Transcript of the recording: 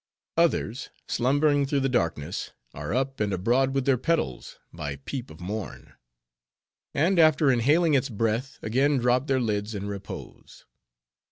Others, slumbering through the darkness, are up and abroad with their petals, by peep of morn; and after inhaling its breath, again drop their lids in repose.